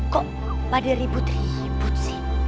kok pada ribut ribut sih